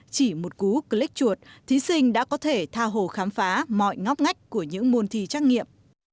chỉ một cú click chuột thí sinh đã có thể tha hồ khám phá mọi ngóc ngách của những môn thi trắc nghiệm